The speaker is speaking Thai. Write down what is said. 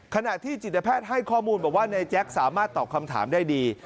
ขณะที่จิตแพทย์ให้ข้อมูลบอกว่านายแจ๊คสามารถตอบคำถามได้ดี